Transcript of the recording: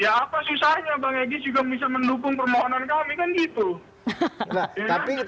ya apa susahnya bang egy juga bisa mendukung permohonan kami kan gitu